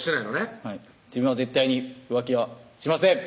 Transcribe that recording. はい自分は絶対に浮気はしません！